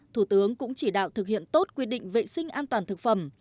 thủ tướng cũng chỉ đạo thực hiện tốt quy định vệ sinh an toàn thực phẩm